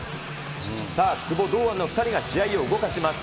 さあ、久保、堂安の２人が試合を動かします。